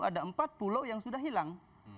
ada empat pulau yang sudah hilang